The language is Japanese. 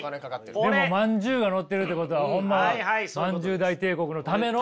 でもまんじゅうがのってるってことはホンマまんじゅう大帝国のための。